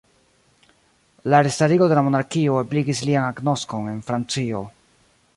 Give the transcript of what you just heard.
La restarigo de la monarkio ebligis lian agnoskon en Francio.